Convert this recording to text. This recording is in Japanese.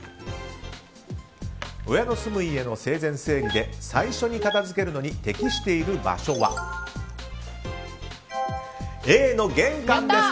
親の住む家の生前整理で最初に片付けるのに適している場所はＡの玄関です。